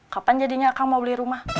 kapan jadinya kamu mau beli rumah